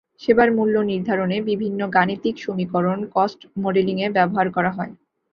সেবার মূল্য নির্ধারণে বিভিন্ন গাণিতিক সমীকরণ কস্ট মডেলিংয়ে ব্যবহার করা হয়।